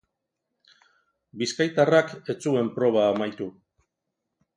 Bizkaitarrak ez zuen proba amaitu.